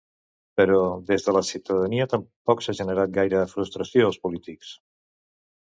Però des de la ciutadania tampoc s'ha generat gaire frustració als polítics.